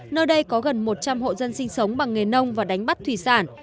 nơi đây có gần một trăm linh hộ dân sinh sống bằng nghề nông và đánh bắt thủy sản